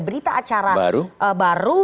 berita acara baru baru